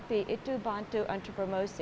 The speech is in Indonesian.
tapi itu bantu untuk promosi